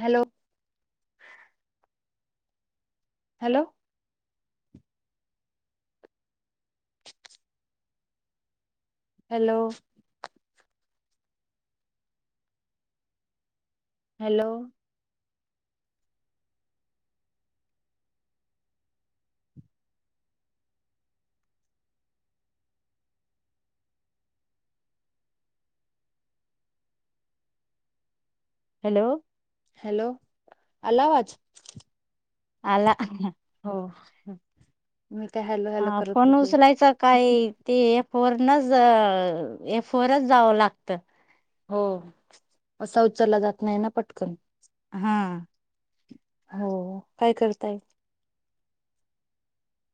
Hello hello hello hello hello hello आला आवाज आला हो मी काय हॅलो हॅलो हा करत पण होते उचलायचा काय ते फोरनच ए फोरच जावं लागत. हो असा उचलला जात नाही ना पटकन. हा हो काय करताये.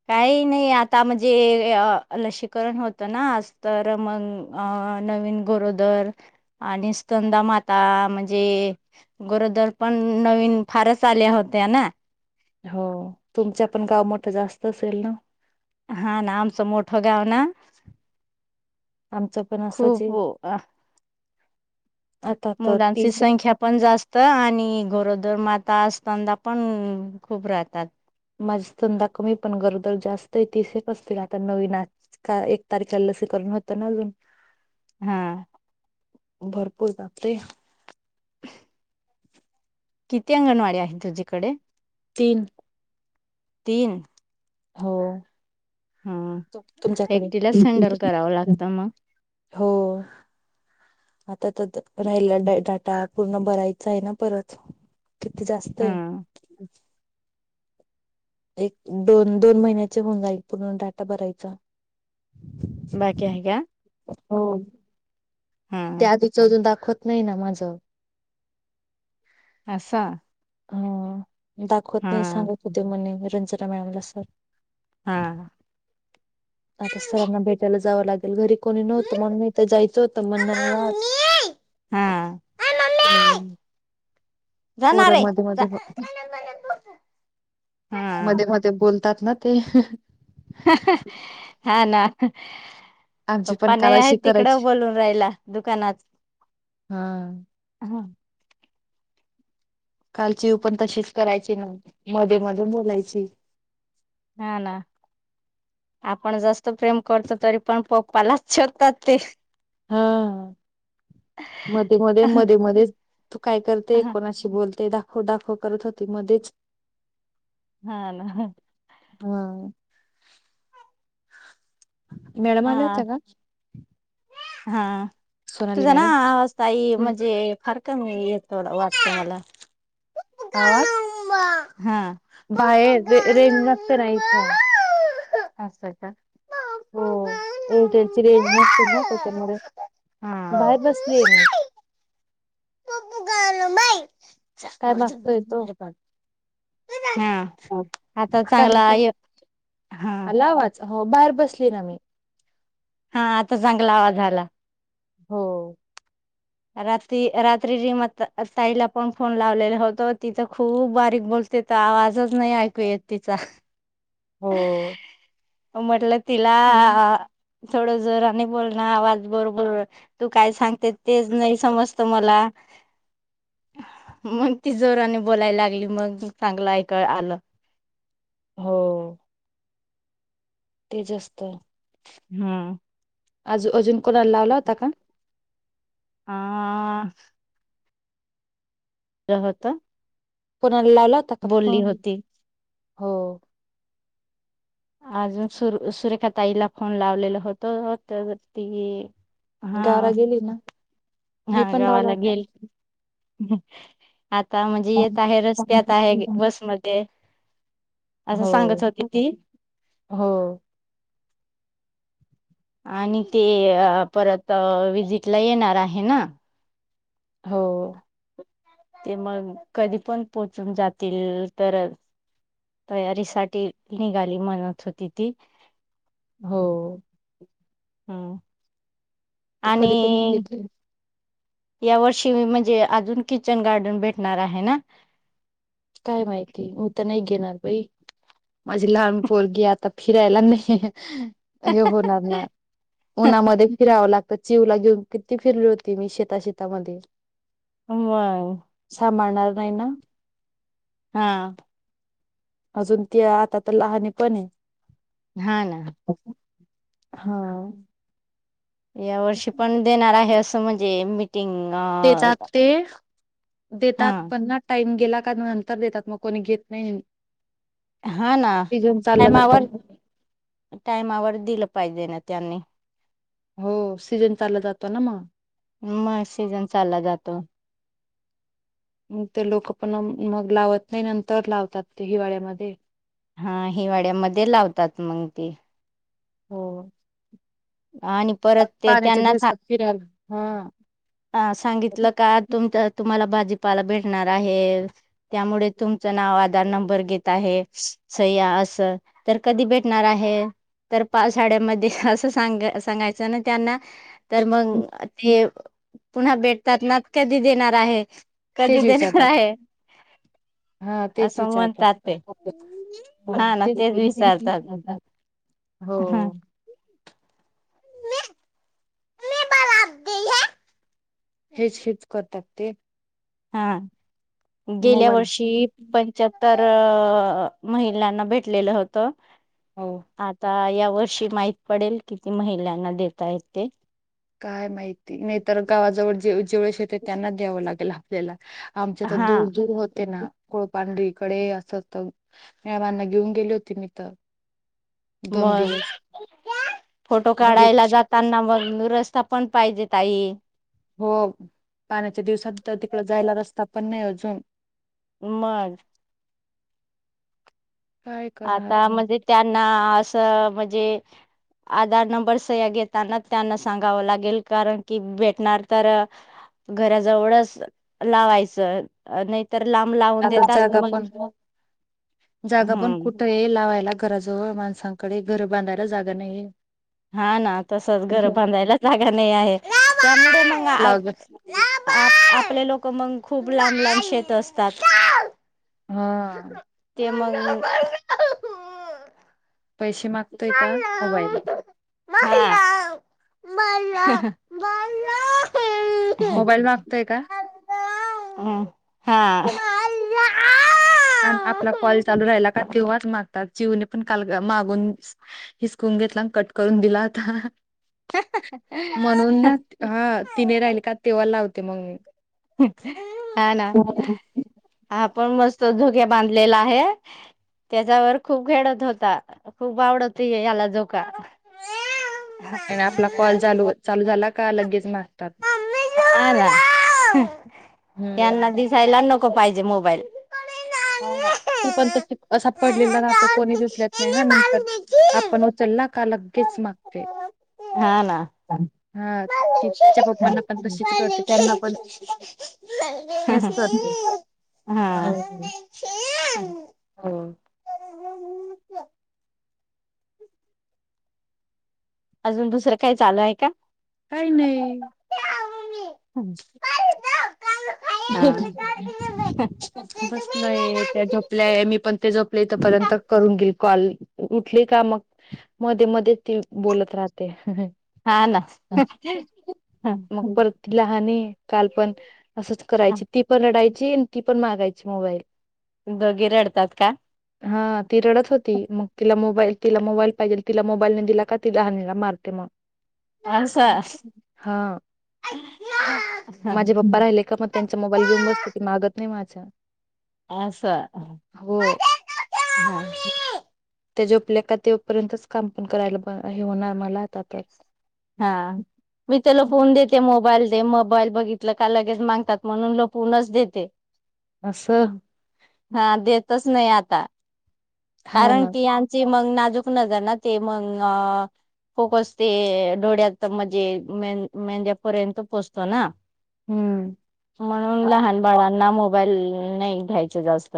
काही नाही आता म्हणजे अ लसीकरण होतं ना आज तर मग अं नवीन गरोदर आणि स्कंदा माता म्हणजे गरोदर पण नवीन फारच आल्या होत्या ना. हो तुमच्या पण गाव मोठं जास्त असेल ना. हा ना आमच मोठ गाव ना आमचं पण असंच खूप आहे अ आता तर मुलांची तीस संख्या पण जास्त आणि गरोदर माता आस्पंदा पण खूप राहतात. मा आस्कंदा कमी पण गरोदर जास्त आहे. तिशेक असतील आता नवीन आज एक तारखेला लसीकरण होतं ना अजून. हम्म भरपूर जाते किती अंगणवाडी आहे तुझीकडे तीन तीन हो ह तुमच्याकडे एकटीलाच हँडल करावं लागतं मग हो आता त द राहिला ड डाटा पूर्ण बरायचा आहे ना परत किती जास्त आहे. हा एक दोन दोन महिन्याचे होऊन जाईल पूर्ण डाटा भरायचा. बाकी हाय क्या हो त्या [unintelligible] दाखवत नइना माझ अससा हा दाखवत नाही सांगत होद्या म्हणे घर [unintelligible] मॅमला सर हा आता सरांना भेटायलाच जाव लागेल घरी कोणी नवतं मग म जायचं होत [unintelligible] हा [inaudible] हा म्ह पोर जाणार आहे मध्ये [inaudible] मध्ये मध्ये हा मध्ये बोलतात ना ते [inaudible] [inaudible] हा ना ह आमची पण पप्पा काल नाही आहे अशी तिकड करायची बोलून राहिला दुकानात हा ह काल चीूवू पण तशीच करायची ना मध्ये मध्ये बोलायची ह ना आपण जास्त प्रेम करतो तरी पण पप्पालाच शकतात ते हा मध्ये मध्ये मध्ये मध्ये तू काय करते हा कोणाशी बोलते दाख हो दाखव करत होती मध्येच हा ना हा [inaudible] मॅडम आल्या त्या का हां सोनाली तुझा ना मॅडम आजताई म्हणजे फार कमी येतो [unintelligible] झाला आवाज हा बाहेर रे रेंज नसते ना इथं असये का हो एअरटेलची रेंज नसते ना त त्याच्यामुळे बाहेर बसली आहे मी [unintelligible] काय बाइ मागतोय तो [unintelligible] हा आता चांगला [unintelligible] हा आला आवाज हो बार- बसलीय ना मी हा आता चांगला आवाज झाला हो रात्री रात्री र म ताईला पण फोन लावलेला होतो तिथं खूप बारीक बोलते त आवाजच नाही ऐकू येत तिचा हो म्हटल तिला थोडं जोराने बोलण आवाज बरोबर तू काय सांगते तेच नाही समजत मला मग ती जोराने बोलाय लागली मग चांगलं ऐक आलं हो ते जास्त हम आजू अजून कोणाला लावला होता का हा जहता कोनाला लावला होता का फोन हो अजून सुर सुरेखा ताईला फोन लावलेल होत त्या त गारा गेली ना ह्या मी पण लावला गावाला होता गेली. हम आता म्हणजे हो. येत आहे रस्त्यात आहे बसमध्ये. असं सांगत होती ती हो-हो, आणि ते परत विजिट ला येणार आहे ना. हो, ते मग कधी पण पोहोचून जातील तर तयारीसाठी निघाली म्हणत होती ती. हो, हम, ते कधी-कधी घेतले. या वर्षी मी म्हणजे अजून किचन गार्डन भेटणार आहे ना. काय माहिती मू तर नाही घेणार भाई माझी लहान पोरगी आता फिरायला नाही. हे होणार ना उन्हामध्ये फिरावं लागत. चिवला घेऊन किती फिरले होते मी शेता शेतामध्ये. होय, नार नाही ना. हा, अजून ते आता तर लहने पण हाय. हा ना, हा या वर्षी पण देणार आहे अस. म्हणजे. टिंग आ. देतात ते देतात पनना टाईम. गेला का नंतर देतात मग कोणी घेत नाही. हा ना सीझन चालला जातो टामावर टायमावर. दिलं पाहिजे ना त्यांनी, हो सीजन चालला जातो ना मग. मग सीजन चालला जातो. ते लोक पण मग लावत नाही नंतर लावतात ते हिवाळ्यामध्ये. हा हिवाळ्यामध्ये लावतात मंग ती. हो. आणि परत ते पाण्याच्या त्यांना दिवसात फिरायला हा. [inaudible] सांगितलं का तुमच. तुम्हाला भाजीपाला भेटणार आहे त्यामुळे तुमचं नाव आधार नंबर घेत आहे स्या अस तर कधी भेटणार आहे तर पाशाड्यामध्ये अस. सांग सांगायचं आणि त्यांना. तर मग ते. पुन्हा भेटतात नात कधी देणार आहे. कधी तेच देणार विचारतात आहे हा तेच असं विचारतात म्हणतात ते तेच हा ना तेच विचारतात त हो हा. हेच हच करतकते हा गेल्या वर्षी पंचार तर महिलांना भेटलेलं होतं हो आता या वर्षी माहीित पडेल किती महिलांना दता आहेत ते काय माहिती नाहीतर गावाजवळ जे जेवढ शेते त्यांना द्यावं लागेल आपल्याला आमच्या तर हा दूर दूर होते ना कोुळपांढरी कडे असं मेळमांना घेऊन गेली होती मी तर दोन मग दिवस फोटो घरी काढायला जाताना मग रस्ता पण पाहिजे ताई हो पाण्याच्या दिवसात तर तिकड जायला रस्ता पण नाही अजून मग काय करणार आता आपण म्हणजे त्यांना म्हणजे आधार नंबर सह्या घताना त्यांना सांगा लागेल कारण की भेटणार तर घराजवळ लावायच तर लांब लावून आता देतात जागा मग पण हम्म हे लावायला घराजवळ माणसांकडे घरं बांधायला जागा नाही हा ना तसच घरं बांधायला लाग नाही आहे मुढ मा लावज आ आपले लोक मग खूप लांब लाब शेत असतात हा ते मग पैसे मागतोय का मोबाईल मला मला मला मोबाईल मागतोय का हा मला आणि चिवू ने पण काल मागून हिसकून घेतला कट करून दिला आता म्हणून ना हा तिने राहिल का तेव्हा लावत ति मंग हा ना आप पण मस्त झोक्या बांधलेला आहे त्याच्यावर खूप खेडत होता खूप आवडत याला झोका आणि आपला कॉल चालू चालू झाला का लगेच मागतात आला यांना हम्म. दिसायला नको पाहिजे मोबाईल हा त पण त असा पडलेला राहतो कोणी दिसल्यात नाही हा नंतर आपण उचललातो का लगगेच मागते हा ना हा ती तिच्या पप्पांना पण तशीच करते त्यांना पण हेच करते. हा हो हो [inaudible] अजून दुसरं काही चालू आहे का काही नाही ह बस नाही त्या झोपल्याय मी पण ते झोपलेथ पर्यंत करून घेल कॉल उठले का मं मध्ये मध्ये ती बोलत राहते हा ना मग बर लहान आहे कालपण असं करायची ती पण रडायची आणि ती पण मागायची ची मोबाईल दोघे रडतात का हा ती रडत होती मग तिला मोबाईल तिला मोबाईल पाहिजे तिला मोबाईल न दिला का ति लहान ल मारते मग असा हा माझे पप्पा राहिले का मग त्यांचा मोबाईल घेऊन बसतो की मागत नाही माझा असा हो त्या झोपल्या का तेपर्यंतच काम पण करायला हे होणार मला आता तरच हा मी त्याला फोन देते मोबाईल ते मोबाईल बघितलं का लगेच मागतात म्हणून लपलूनच देते. अससहा हा देतच नाही आता हा कारण ना की यांची मग नाजूक नजर ना ते मग आ खुपसते. थोड्यात म्हणजे मे मेंद्यापर्यंत पोहोचतो ना. हम्म म्हणून लहान बाळांना मो ल नाही घ्यायचं जास्त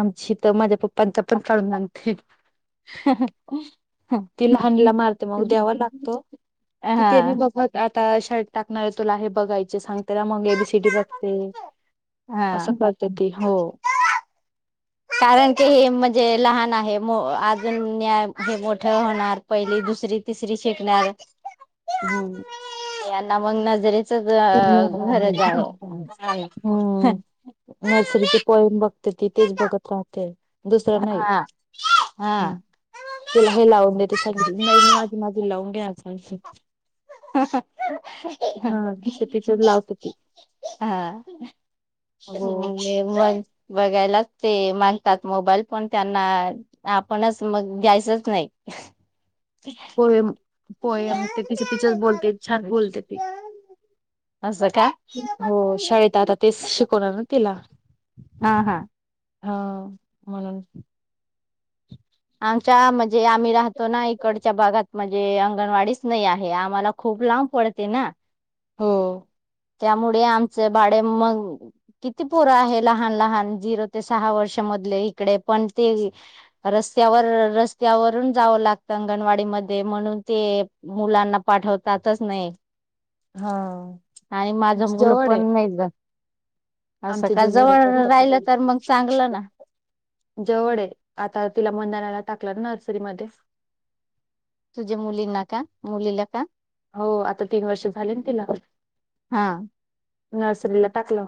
आमची तर माझ्या पप्पांचा पण काढून लागते. हा हा ती लहानला मारते मग द्यावा लागतो. ति त्याने हा बघत आता शाळेत टाकणार आहे. तुला हे बघायचे सांगते ना मग हे ए बी सि डी बघते. असं हा बगत दे हो कारण की हे म्हणजे लहान आहे अजून हे मोठं होणार पहिली दुसरी तिसरी शिकणार. हम् यांना मग ना जरीे ह नर्सरीचे पॉयम बघ तर तिथेच बघत राहते दुसर नाही. हा हम हा तिला हे लावून देतेस सांगितलं नाहीस माझ माझं लावू. [inaudible] हा कितीच लाऊ मी म्हण बघायला काय लागतंय मागतात मोबाईल पण त्यांना आपणच मग घ्यायचच नाही. पोयम पोयम ते तिच तिच बोलते छान बोलते ती असं का? हो शाळेत आता तेच शिकवणार. तिला हा हा हा म्हणून आमच्या म्हणजे आम्ही राहतो ना इकडच्या भागात म्हणजे अंगणवाडीच नाही आहे आम्हाला खूप लांब पडते ना. हो त्यामुळे आमचे बाडे मग किती पुरं आहे लहान लहान जिरो ते सहा वर्ष मधले इकडे पण ते रस्ते रस्त्यावर रस्त्यावरून जावं लागत अंगणवाडी मध्ये म्हणून ते मुलांना पाठवतातच नाही. हा आणि माझं मुलं जवळ पण आहे नाही ज असं आमच्या का आहे जवळ तसं. राहिलं तर मग चांगलं ना जवळ आहे आता तिला मंदानाला टाकलं ना नर्सरी मध्ये तुझ्या मुलींना का मुलीला का? हो आता तीन वर्ष झाले तिला हा नर्सरीला टाकला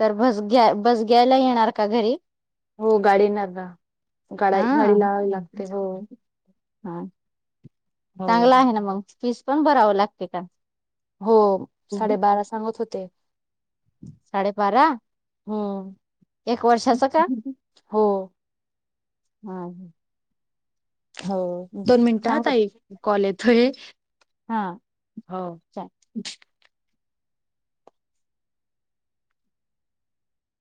तर भस घ्या भस घ्यायला येणार का घरी हो गाडीणार गा हा गाडी लाहावी लागते हो हा हो चांगलं आहे ना मग फीस पण बरावं लागते का हो साडेबारा सांगत होते ते साडेबारा हम्म एक वर्षाचं का हो हम् ह हो दोन मिनिट हा सांग ताई कॉल येतोय हा हो